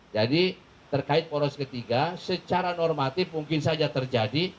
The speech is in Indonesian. jadi terkait poros ketiga secara normatif mungkin saja terjadi